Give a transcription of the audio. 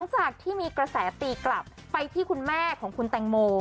หลังจากที่มีกระแสตีกลับไปที่คุณแม่ของคุณแตงโม